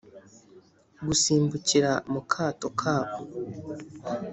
gusimbukira mu kato kabo.